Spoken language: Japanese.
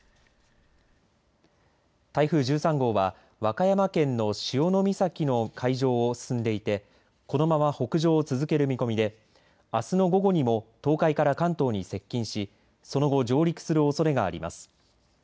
台風１３号は和歌山県の潮岬の海上を進んでいてこのまま北上を続ける見込みであすの午後にも東海から関東に接近しその後上陸するおそれがあります。